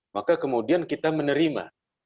maka kemudian kita menerima